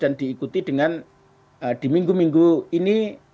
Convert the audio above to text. dan diikuti dengan di minggu minggu ini